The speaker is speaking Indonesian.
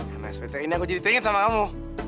karena speter ini aku jadi teringet sama kamu